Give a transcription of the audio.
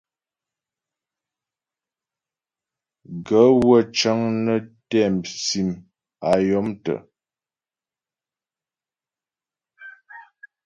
Gaə̂ wə́ cə́ŋ nə́ tɛ́ sim a yɔ̀mtə́.